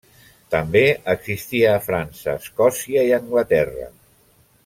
També existia a França, Escòcia i Anglaterra.